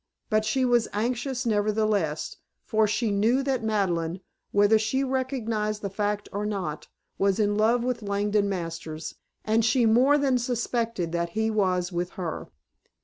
But she was anxious, nevertheless, for she knew that Madeleine, whether she recognized the fact or not, was in love with Langdon Masters, and she more than suspected that he was with her.